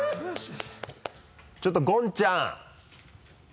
ちょっとゴンちゃん。